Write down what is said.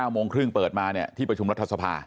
โมงครึ่งเปิดมาที่ประชุมรัฐสภา